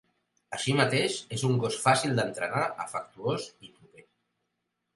Així mateix, és un gos fàcil d'entrenar, afectuós i proper.